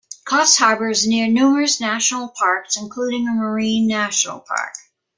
Coffs Harbour is near numerous national parks, including a marine national park.